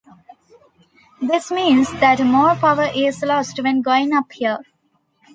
This means that more power is lost when going uphill.